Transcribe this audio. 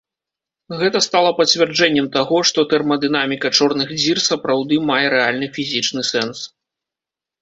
Гэта стала пацвярджэннем таго, што тэрмадынаміка чорных дзір сапраўды мае рэальны фізічны сэнс.